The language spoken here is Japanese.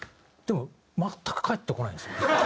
でも全く返ってこないんですよね。